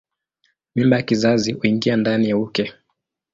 Mimba ya kizazi huingia ndani ya uke.